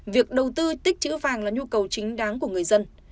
việc đầu tư tích chữ vàng là nhu cầu chính đáng của người dân